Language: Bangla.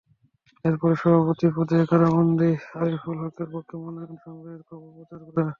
এরপরই সভাপতি পদে কারাবন্দী আরিফুল হকের পক্ষে মনোনয়নপত্র সংগ্রহের খবর প্রচার হয়।